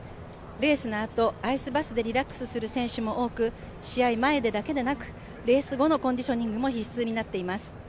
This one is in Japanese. レースのあと、アイスバスでリラックスする選手も多く試合前だけでなくレース後のコンディショニングも必須となっています。